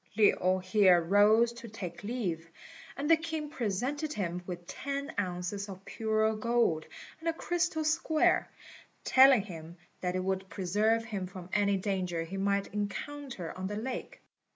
Lin here rose to take leave, and the king presented him with ten ounces of pure gold and a crystal square, telling him that it would preserve him from any danger he might encounter on the lake.